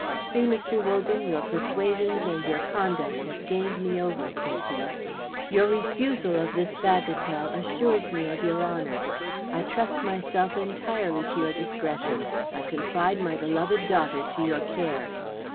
"See, Mr. Wogan, your persuasions and your conduct have gained me over," said he. "Your refusal of this bagatelle assures me of your honour. I trust myself entirely to your discretion; I confide my beloved daughter to your care.